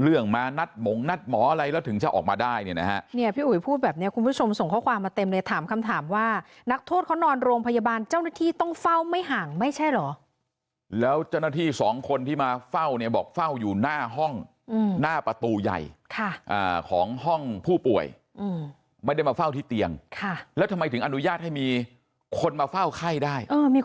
เนี่ยพี่อุ๋ยพูดแบบเนี้ยคุณผู้ชมส่งข้อความมาเต็มเลยถามคำถามว่านักโทษเขานอนโรงพยาบาลเจ้าหน้าที่ต้องเฝ้าไม่ห่างไม่ใช่เหรอแล้วเจ้าหน้าที่สองคนที่มาเฝ้าเนี่ยบอกเฝ้าอยู่หน้าห้องอืมหน้าประตูใหญ่ค่ะอ่าของห้องผู้ป่วยอืมไม่ได้มาเฝ้าที่เตียงค่ะแล้วทำไมถึงอนุญาตให้มีคนมาเฝ้าไข้